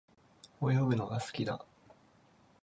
泳ぐのが好きだ。